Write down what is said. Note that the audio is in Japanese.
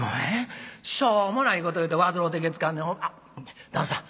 しょうもないこと言うて患うてけつかんねんあっ旦さん